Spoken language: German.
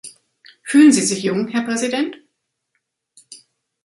Fühlen Sie sich jung, Herr Präsident?